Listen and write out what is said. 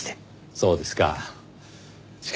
そうですか。